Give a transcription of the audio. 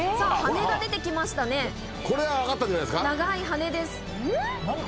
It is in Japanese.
さあ、これは分かったんじゃないで長い羽根です。